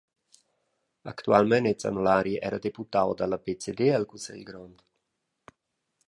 Actualmein ei Zanolari era deputau dalla pcd el cussegl grond.